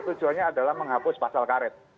tujuannya adalah menghapus pasal karet